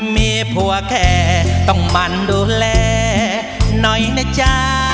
มีผัวแก่ต้องบรรดูแลน้อยนะจ๊ะ